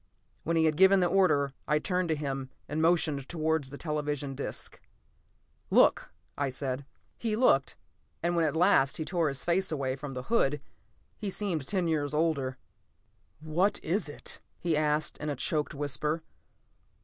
When he had given the order, I turned to him and motioned towards the television disc. "Look," I said. He looked, and when at last he tore his face away from the hood, he seemed ten years older. "What is it?" he asked in a choked whisper.